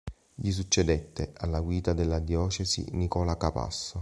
Gli succedette, alla guida della diocesi, Nicola Capasso.